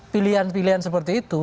pilihan pilihan seperti itu